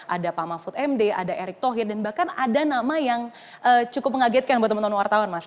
ada pak mahfud md ada erick thohir dan bahkan ada nama yang cukup mengagetkan buat teman teman wartawan mas